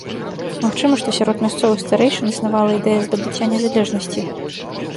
Магчыма, што сярод мясцовых старэйшын існавала ідэя здабыцця незалежнасці.